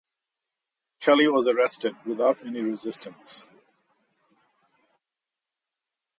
Kelly was arrested without any resistance.